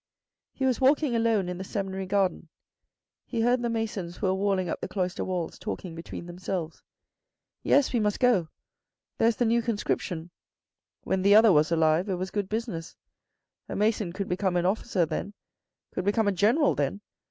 He was walking alone in the seminary 206 THE RED AND THE BLACK garden. He heard the masons who were walling up the cloister walls talking between themselves. " Yes, we must go. There's the new conscription. When the other was alive it was good business. A mason could become an officer then, could become a general then.